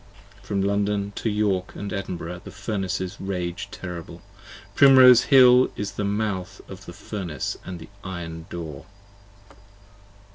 From London to York & Edinburgh the Furnaces rage terrible: 52 Primrose Hill is the mouth of the Furnace & the Iron Door: p.